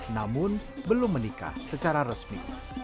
namun belum menikah secara resmi